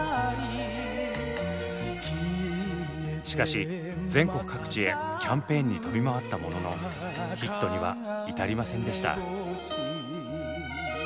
しかし全国各地へキャンペーンに飛び回ったもののヒットには至りませんでした。